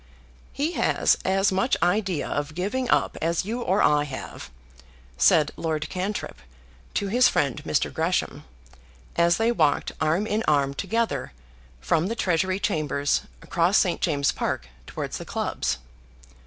"He has as much idea of giving up as you or I have," said Lord Cantrip to his friend Mr. Gresham, as they walked arm in arm together from the Treasury Chambers across St. James's Park towards the clubs.